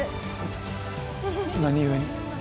何故に。